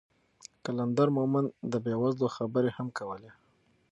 قلندر مومند د بې وزلو خبرې هم کولې.